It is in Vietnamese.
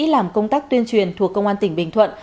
làm công tác tuyên truyền thuộc công an tỉnh bình thuận